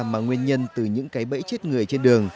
mà nguyên nhân từ những cái bẫy chết người trên đường